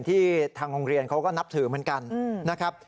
ที่ทางโรงเรียนเขาก็นับถือเหมือนกันนะครับ